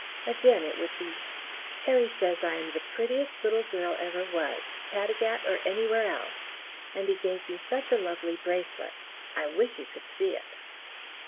Again it would be: "Harry says I am the prettiest little girl ever was, Caddagat or anywhere else, and he gave me such a lovely bracelet. I wish you could see it."